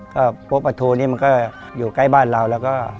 ก็พวกปลาทูนี่มันก็อยู่ใกล้บ้านเราแล้วก็